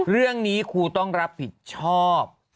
เรื่องนี้ครูต้องรับผิดชอบ